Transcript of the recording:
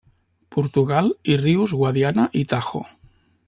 Portugal i rius Guadiana i Tajo.